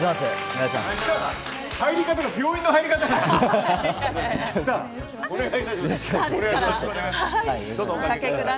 入り方が病院の入り方だ。